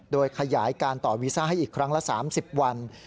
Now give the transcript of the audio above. โดยขยายการต่อวีซ่าให้อีกครั้งละ๓๐วัน